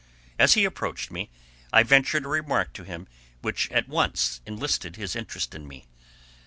As he approached me, I ventured a remark to him which at once enlisted his interest in me.